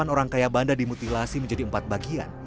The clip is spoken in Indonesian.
delapan orang kaya banda dimutilasi menjadi empat bagian